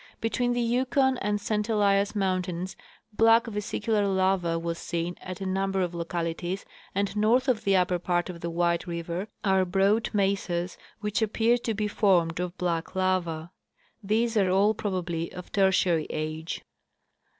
Between the Yukon and St Elias moun tains black vesicular lava was seen at a number of localities, and north of the upper part of White river are broad mesas which appear to be formed of black lava. These are all probably of Tertiary age.